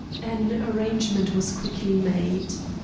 An arrangement was quickly made.